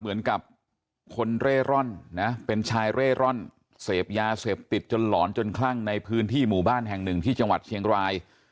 เหมือนกับคนเร่ร่อนนะเป็นชายเร่ร่อนเสพยาเสพติดจนหลอนจนคลั่งในพื้นที่หมู่บ้านแห่งหนึ่งที่จังหวัดเชียงราย